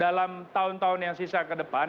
dalam tahun tahun yang sisa ke depan